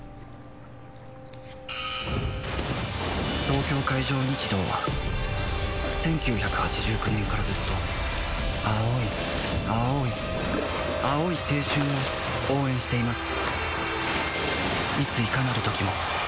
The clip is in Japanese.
東京海上日動は１９８９年からずっと青い青い青い青春を応援しています